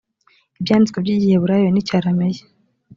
ibyanditswe by igiheburayo n icyarameyi